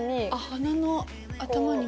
鼻の頭にも。